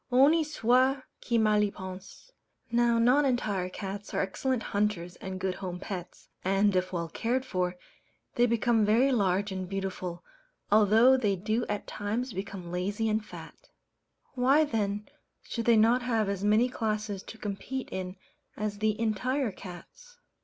Honi soit qui mal y pense! Now "non entire cats" are excellent hunters and good home pets; and, if well cared for, they become very large and beautiful, although they do at times become lazy and fat. Why then should they not have as many classes to compete in as the "entire" cats?